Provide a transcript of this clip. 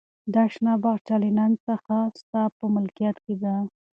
دا شنه باغچه له نن څخه ستا په ملکیت کې ده.